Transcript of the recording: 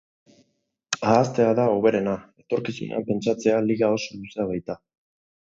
Ahaztea da hoberena, etorkizunean pentsatzea liga oso luzea baita.